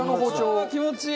ああー気持ちいい！